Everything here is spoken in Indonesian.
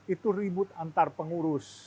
itu ribut antar pengurus